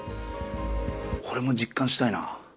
俺も実感したいな。